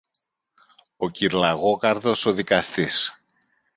ο κυρ-Λαγόκαρδος ο δικαστής